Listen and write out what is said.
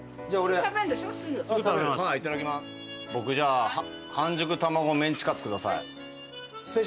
僕じゃあ半熟たまごメンチカツください。